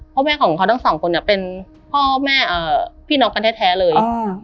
พ่อแม่ของเขาทั้งสองคนเนี่ยเป็นพ่อแม่พี่น้องกันแท้เลย